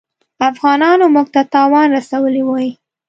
افغانانو موږ ته تاوان رسولی وي.